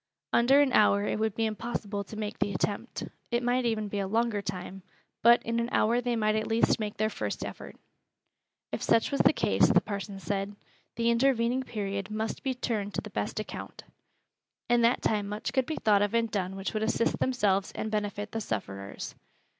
Under an hour it would be impossible to make the attempt it might even be a longer time, but in an hour they might at least make their first effort. If such was the case, the parson said, the intervening period must be turned to the best account. In that time much could be thought of and done which would assist themselves and benefit the sufferers.